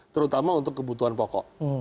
terutama untuk kebutuhan pokok